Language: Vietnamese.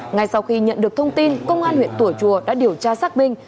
ngay sau khi nhận được thông tin công an huyện tủa chùa đã điều tra xác minh